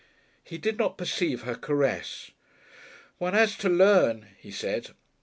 He did not perceive her caress. "One has to learn," he said.